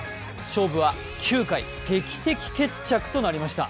勝負は９回、劇的決着となりました。